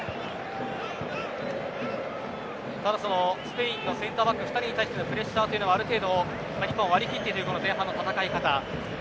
ただ、スペインのセンターバック２人に対してのプレッシャーというのはある程度日本は割り切っている前半の戦い方。